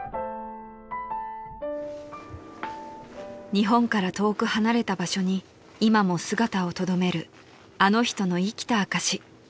［日本から遠く離れた場所に今も姿をとどめるあの人の生きた証し］